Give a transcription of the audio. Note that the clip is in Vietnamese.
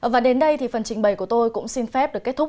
và đến đây thì phần trình bày của tôi cũng xin phép được kết thúc